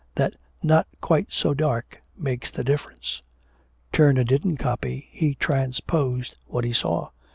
That "not quite so dark" makes the difference. Turner didn't copy, he transposed what he saw.